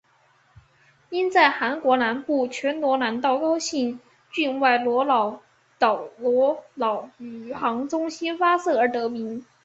因在韩国南部全罗南道高兴郡外罗老岛罗老宇航中心发射而得名。